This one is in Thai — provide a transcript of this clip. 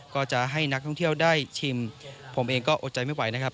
ก็จะให้นักท่องเที่ยวได้ชิมผมเองก็อดใจไม่ไหวนะครับ